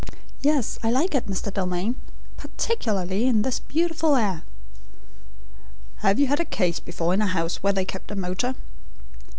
"Yes, I like it, Mr. Dalmain; particularly in this beautiful air." "Have you had a case before in a house where they kept a motor?"